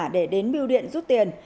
để đến bưu điện rút tiền